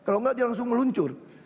jadi langsung meluncur